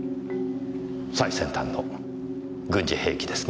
最先端の軍事兵器ですね。